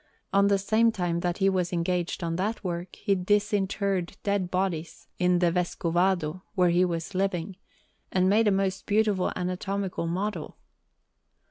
At the same time that he was engaged on that work, he disinterred dead bodies in the Vescovado, where he was living, and made a most beautiful anatomical model.